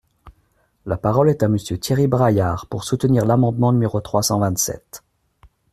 La parole est à Monsieur Thierry Braillard, pour soutenir l’amendement numéro trois cent vingt-sept.